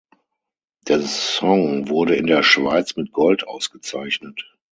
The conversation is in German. Der Song wurde in der Schweiz mit Gold ausgezeichnet.